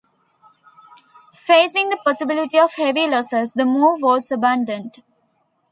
Facing the possibility of heavy losses, the move was abandoned.